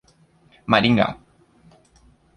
Maringá